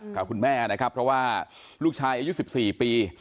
กับคุณแม่นะครับเพราะว่าลูกชายอายุ๑๔ปี